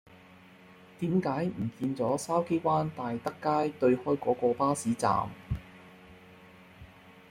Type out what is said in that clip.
點解唔見左筲箕灣大德街對開嗰個巴士站